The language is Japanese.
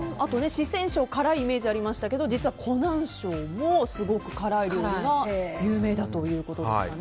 四川省は辛いイメージがありましたが実は、湖南省も辛いものが有名だということです。